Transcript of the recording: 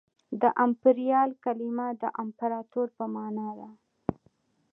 د امپریال کلمه د امپراطور په مانا ده